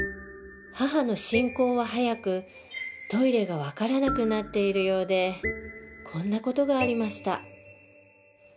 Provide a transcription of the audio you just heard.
母の進行は速くトイレが分からなくなっているようでこんな事がありました